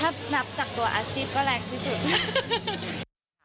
ถ้านับจากตัวอาชีพก็แรงที่สุด